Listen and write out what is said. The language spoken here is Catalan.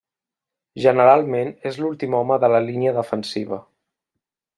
Generalment és l'últim home de la línia defensiva.